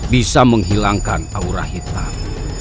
bisa menghilangkan aura hitam